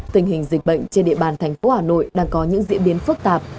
tình hình dịch bệnh trên địa bàn thành phố hà nội đang có những diễn biến phức tạp